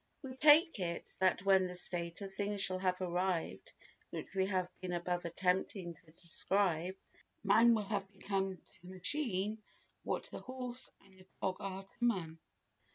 We take it that when the state of things shall have arrived which we have been above attempting to describe, man will have become to the machine what the horse and the dog are to man.